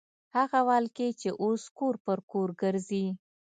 هغه والګي چې اوس کور پر کور ګرځي.